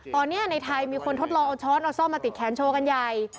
ตอนนี้ในไทยมีคนทดลองเอาช้อนเอาซ่อมมาติดแขนโชว์กันใหญ่